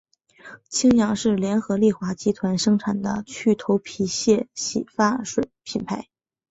清扬是联合利华集团生产的去头皮屑洗发水品牌。